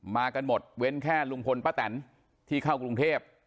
มากันหมดเว้นแค่ลุงพลป้าแตนที่เข้ากรุงเทพ